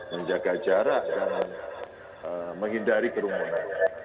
menjaga jarak dan menghindari kerumunan